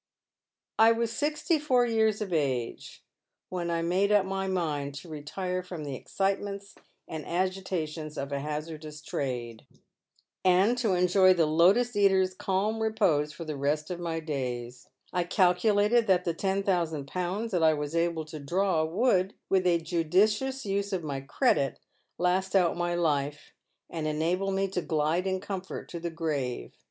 *'It is not now as it has been of yore. 815 I was sixty six years of age when I made np my mind to retire from the excitements and agitations of a hazardous trade, and to enjoy the lotus eater's calm repose for the rest of my days. I calculated that the ten thousand pounds that I was able to draw would, with a judicious use of my credit, last out my life, and enable me to glide in comfort to the gi'ave.